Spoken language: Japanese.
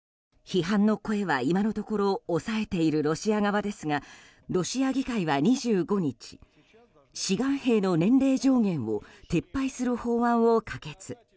批判の声は今のところ抑えているロシア側ですがロシア議会は２５日志願兵の年齢上限を撤廃する法案を可決。